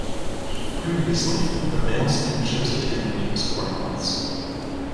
Previously, the mail steamships had taken weeks or months.